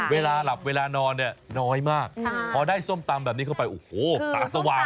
เวลาหลับเวลานอนเนี่ยน้อยมากพอได้ส้มตำแบบนี้เข้าไปโอ้โหตาสว่าง